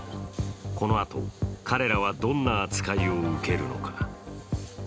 このあと、彼らはどんな扱いを受けるのか。